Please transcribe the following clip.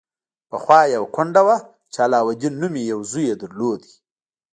پخوا یوه کونډه وه چې علاوالدین نومې یو زوی یې درلود.